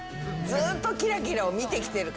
ずっとキラキラを見てきてるからこっちは。